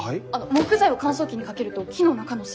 木材を乾燥機にかけると木の中の水分が抜けます。